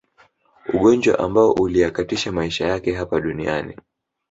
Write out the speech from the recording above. Ugonjwa ambao uliyakatisha maisha yake hapa duniani